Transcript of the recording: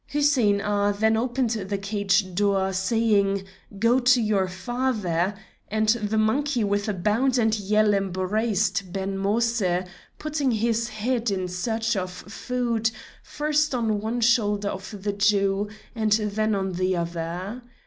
Hussein Agha then opened the cage door, saying: "Go to your father," and the monkey with a bound and a yell embraced Ben Moïse, putting his head, in search of food, first on one shoulder of the Jew and then on the other.